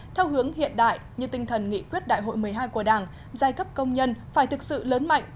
theo hướng hiện đại như tinh thần nghị quyết đại hội một mươi hai của đảng giai cấp công nhân phải thực sự lớn mạnh